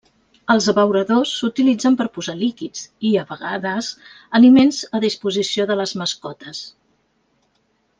Els abeuradors s'utilitzen per posar líquids i, a vegades, aliments a disposició de les mascotes.